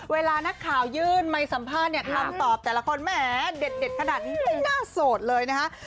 เวลานักข่าวยื่นไมสัมภาษณ์เนี่ยล้อมตอบแต่ละคนแหมเด็ดขนาดหน้าโสดเลยนะครับ